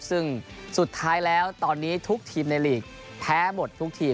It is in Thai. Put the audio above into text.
ซึ่งสุดท้ายแล้วตอนนี้ทุกทีมในลีกแพ้หมดทุกทีม